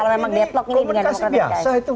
ini komunikasi biasa itu